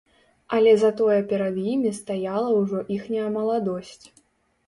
Але затое перад імі стаяла ўжо іхняя маладосць.